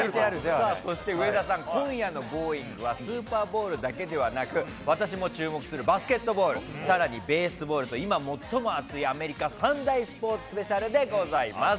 さあ、そして上田さん、今夜のＧｏｉｎｇ！はスーパーボウルだけじゃなく、私も注目するバスケットボール、さらにベースボールと、今、最も熱いアメリカ３大スペシャルでございます。